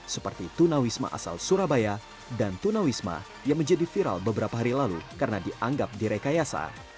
seperti tuna wisma asal surabaya dan tuna wisma yang menjadi viral beberapa hari lalu karena dianggap direkayasa